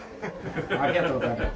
ありがとうございます。